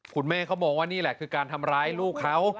คุณแม่เขามองว่านี่แหละคือการทำร้ายลูกเขา